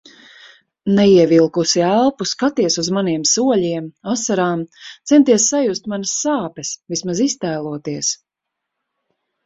Neievilkusi elpu, skaties uz maniem soļiem, asarām, centies sajust manas sāpes, vismaz iztēloties.